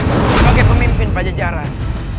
sebagai pemimpin pajak jalan